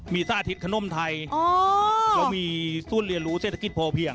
มีซ่าอาทิตย์ขนมไทยมีสู้นเรียนรู้เศรษฐกิจพอเพียง